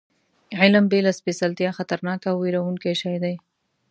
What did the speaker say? علم بې له سپېڅلتیا خطرناک او وېروونکی شی دی.